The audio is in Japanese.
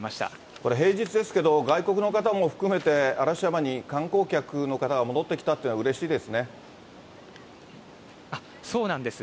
これ、平日ですけれども、外国の方も含めて嵐山に観光客の方が戻ってきたっていうのは、うそうなんです。